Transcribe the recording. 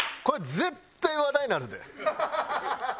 これ絶対話題になるで。